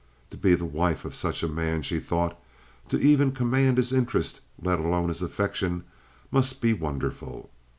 To be the wife of such a man, she thought—to even command his interest, let alone his affection—must be wonderful.